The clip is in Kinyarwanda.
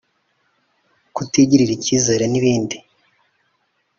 kutigirira icyizere n’ibindi